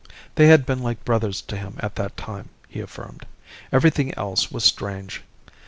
They had been like brothers to him at that time, he affirmed. Everything else was strange.